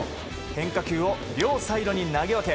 変化球を両サイドに投げ分け